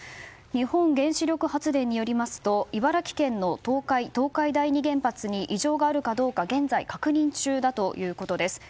日本原子力発電によりますと茨城県の東海第二原発に異常があるかどうか現在、確認中だということです。